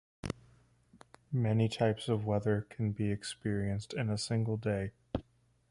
Many types of weather can be experienced in a single day.